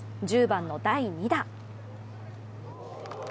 １０番の第２打。